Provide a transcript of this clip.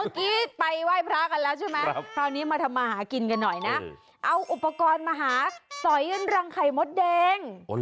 คราวนี้มาทำอาหารกินกันหน่อยนะเอาอุปกรณ์มาหาสอยรังไข่มดแดง